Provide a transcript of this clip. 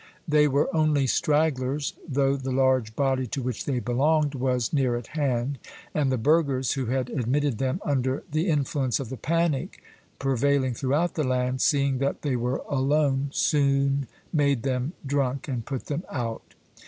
They were only stragglers, though the large body to which they belonged was near at hand; and the burghers, who had admitted them under the influence of the panic prevailing throughout the land, seeing that they were alone, soon made them drunk and put them out.